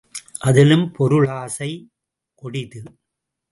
அதிலும் பொருளாசை கொடிது!